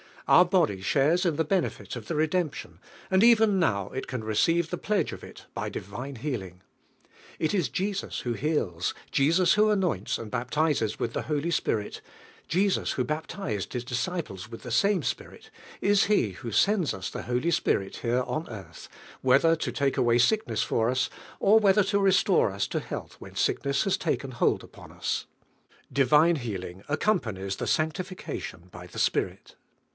Our body shares in the benefit of the redemption, and even now it ran receive the pledge of it by di vine healing. It is Jesus who heals, Jesus who anoints and baptises with the Holy Spirit, Jesus who baptised His disciples with the same Spirit, is He who sends us the Holy Spirit here on earth, whether lo take away sickness for us, ur whether o restore us to health when sickness Iras a ken bold upon us. Divine healing accompanies the aancti !i cation by the Spirit.